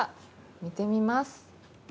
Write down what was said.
見てみます。